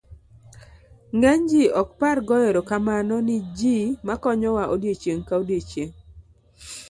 ng'eny ji ok par goyo erokamano ni ji makonyowa odiochieng' ka odiochieng'